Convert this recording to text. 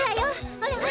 ほらほら。